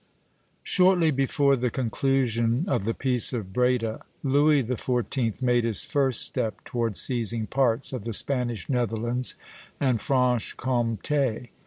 Shortly before the conclusion of the Peace of Breda, Louis XIV. made his first step toward seizing parts of the Spanish Netherlands and Franche Comté.